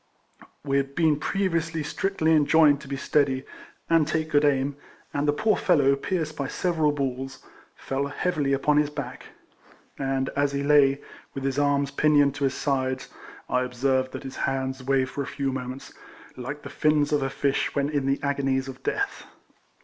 We had been previously strictly enjoined to be steady, and take good aim, and the poor fellow, pierced by several balls, fell heavily upon his back ; and as he lay, with his arms pinioned to his sides, I observed that his hands waved for a few moments, like the fins of a fish when in the agonies of death.